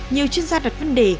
nhiều chuyên gia đặt vấn đề